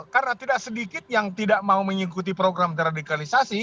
karena tidak sedikit yang tidak mau mengikuti program deradikalisasi